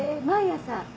毎朝？